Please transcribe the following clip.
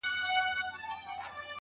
سپوږمۍ کي هم سته توسيرې، راته راوبهيدې,